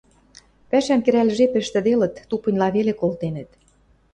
Пӓшӓм керӓл жеп ӹштӹделыт, тупыньла веле колтенӹт.